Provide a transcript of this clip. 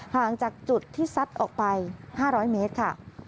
ห่างจากจุดที่ซัดออกไป๕๐๐เมตรค่ะ